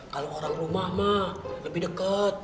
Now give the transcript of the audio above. kalo orang rumah mah lebih deket